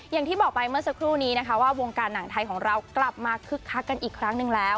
อย่างที่บอกไปเมื่อสักครู่นี้นะคะว่าวงการหนังไทยของเรากลับมาคึกคักกันอีกครั้งหนึ่งแล้ว